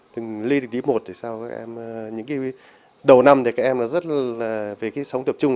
từng ly đến tỉ một từ sau các em những cái đầu năm thì các em rất là về cái sống tập trung